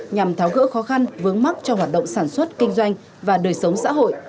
nhằm tháo gỡ khó khăn vướng mắt cho hoạt động sản xuất kinh doanh và đời sống xã hội